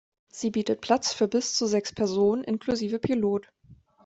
Sie bietet Platz für bis zu sechs Personen inklusive Pilot.